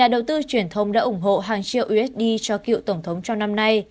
nhà đầu tư truyền thông đã ủng hộ hàng triệu usd cho cựu tổng thống trong năm nay